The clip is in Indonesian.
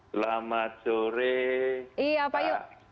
selamat sore pak